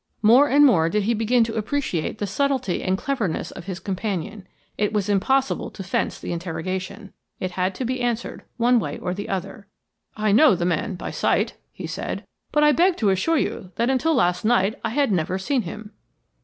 More and more did he begin to appreciate the subtlety and cleverness of his companion. It was impossible to fence the interrogation; it had to be answered, one way or the other. "I know the man by sight," he said; "but I beg to assure you that until last night I had never seen him."